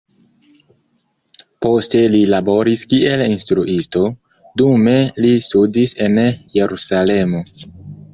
Poste li laboris kiel instruisto, dume li studis en Jerusalemo.